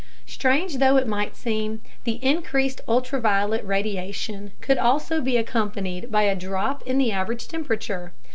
Strange though it might seem, the increased ultraviolet radiation could also be accompanied by a drop in the average temperature.